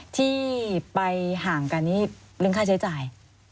ที่ไปห่างกันนี่เรื่องค่าใช้จ่าย